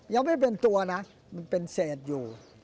ยังไม่เป็นตัวนะมันเป็นเศษอยู่